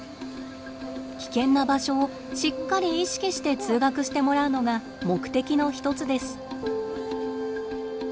危険な場所をしっかり意識して通学してもらうのが目的の一つです。